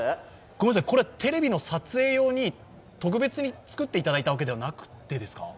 ごめんなさい、これはテレビの撮影用に、特別に作っていただいたわけではなくってですか？